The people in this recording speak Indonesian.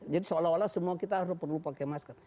seolah olah semua kita harus perlu pakai masker